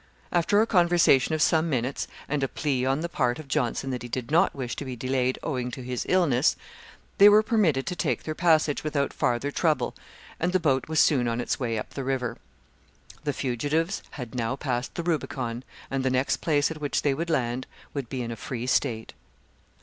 After a conversation of some minutes, and a plea on the part of Johnson that he did not wish to be delayed owing to his illness, they were permitted to take their passage without farther trouble, and the boat was soon on its way up the river. The fugitives had now passed the Rubicon, and the next place at which they would land would be in a Free State.